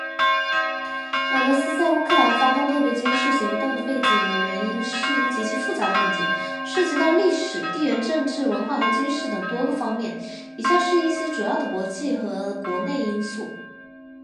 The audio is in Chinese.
俄罗斯在乌克兰发动特别军事行动的背景与原因是一个极其复杂的问题，涉及到历史、地缘政治、文化和军事等多个方面。以下是一些主要的国际和国内因素：